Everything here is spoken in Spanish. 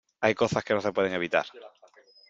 hay cosas que no se pueden evitar ,